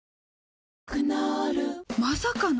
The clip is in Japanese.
クノールまさかの！？